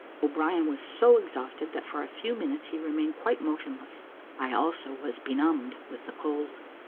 O'Brien was so exhausted, that for a few minutes he remained quite motionless; I also was benumbed with the cold.